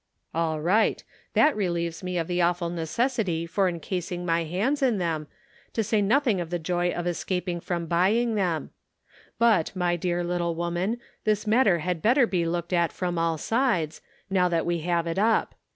" All right ; that relieves me of the awful necessity for incasing my hands in them, to say nothing of the joy of escaping from buying The Social Problem. 107 them. But, my dear little woman, this matter had better be looked at from all sides, now that we have it up.